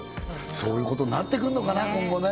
そういうことになってくんのかな今後ね